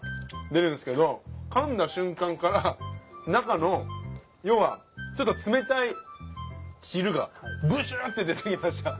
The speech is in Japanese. かんだ瞬間から中の要はちょっと冷たい汁がブシュって出てきました。